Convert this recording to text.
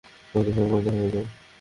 প্রাকৃতিকভাবে পয়দা হয়ে যাবে।